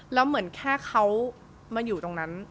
แล้วเหมือนแค่เขามาอยู่ตรงนั้น